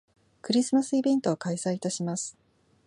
クリスマスイベントを開催いたします